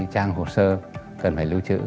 trang hồ sơ cần phải lưu trữ